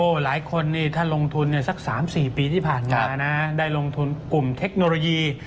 หลายคนนี่ถ้าลงทุนสัก๓๔ปีที่ผ่านมานะได้ลงทุนกลุ่มเทคโนโลยี